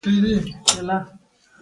د صوفیانو او جوګیانو تشبیه زیاته وه.